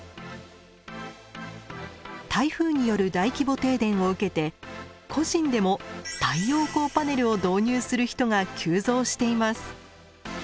台風による大規模停電を受けて個人でも太陽光パネルを導入する人が急増しています。